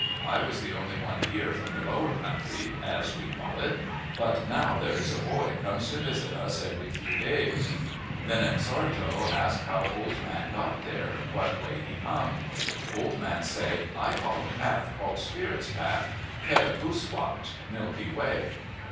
I was the only one here from the " Lower Country" as we call it; but now there is a boy comes to visit us every few days.' "Then M'Sartto asked how old man got there, what way he come. " Old man say, * I follow path called Spirits' Path, Ket a gus wowt, Milky Way.'